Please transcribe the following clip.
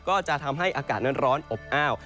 ก็จะทำให้อากาศนั้นร้อนอบอ้าว